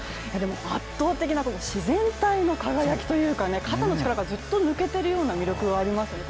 圧倒的な自然体の輝きというか肩の力が、ずっと抜けてるような魅力がありますね。